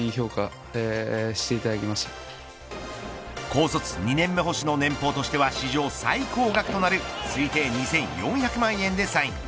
高卒２年目捕手の年棒としては史上最高額となる推定２４００万円でサイン。